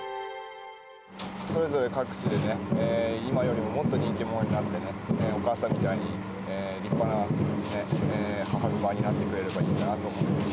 それぞれ各地でね、今よりももっと人気者になってね、お母さんみたいに立派な母グマになってくれればいいなと思います。